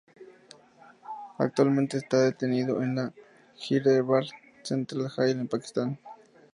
Actualmente está detenido en la Hyderabad Central Jail en Pakistán.